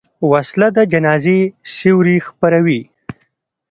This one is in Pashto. وسله د جنازې سیوري خپروي